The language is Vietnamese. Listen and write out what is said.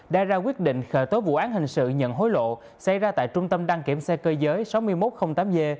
đã ra quyết định khởi tố vụ án hình sự nhận hối lộ xảy ra tại trung tâm đăng kiểm xe cơ giới sáu nghìn một trăm linh tám g